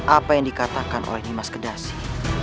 apa yang dikatakan oleh dimas kedasi